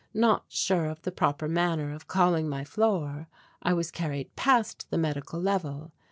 Not sure of the proper manner of calling my floor I was carried past the medical level.